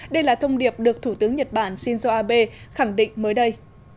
đây là thông điệp được thủ tướng nhật bản shinzo abe khẳng định mới đây